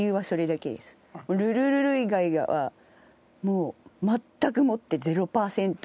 「ルルルル」以外はもう全くもってゼロパーセント。